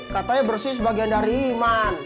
katanya bersih sebagian dari iman